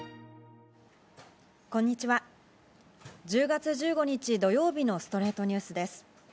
１０月１５日、土曜日の『ストレイトニュース』です。